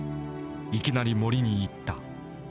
いきなり森に言った。